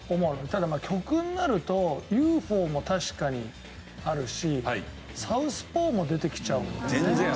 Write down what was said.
ただ曲になると『ＵＦＯ』も確かにあるし『サウスポー』も出てきちゃうんだよね。